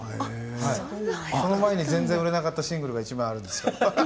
その前に全然売れなかったシングルが１枚あります。